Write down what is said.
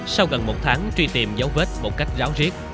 sau gần một tháng truy tìm dấu vết một cách ráo riết